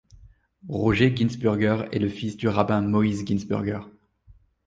Roger Ginsburger est le fils du rabbin Moïse Ginsburger.